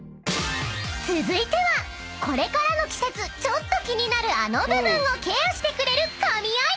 ［続いてはこれからの季節ちょっと気になるあの部分をケアしてくれる神アイテム！］